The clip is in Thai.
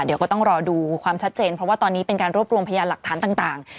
เดี๋ยวก็ต้องรอดูความชัดเจนเพราะว่าตอนนี้เป็นการรวบรวมพยานหลักฐานต่าง